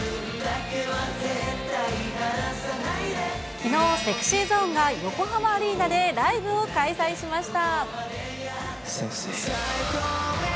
きのう、ＳｅｘｙＺｏｎｅが横浜アリーナでライブを開催しました。